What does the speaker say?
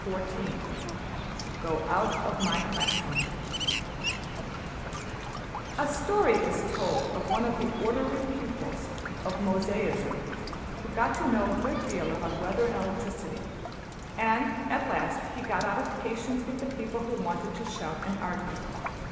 \chapter{Go Out of My Class Room} A story is told of one of the orderly pupils of Mosaism who got to know a good deal about weather and electricity; and at last he got out of patience with the people who wanted to shout and argue.